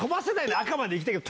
赤まで行きたいけど。